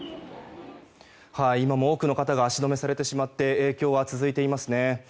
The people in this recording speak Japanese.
今も多くの方が足止めされてしまって影響は続いていますね。